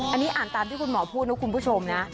อันนี้อ่านตามที่คุณหมอพูดนะคุณผู้ชมนะ